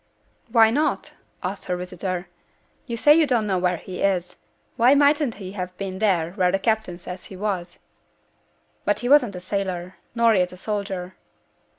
'Why not?' asked her visitor; 'you say you don't know where he is; why mightn't he have been there where the captain says he was?' 'But he wasn't a sailor, nor yet a soldier.'